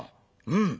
うん。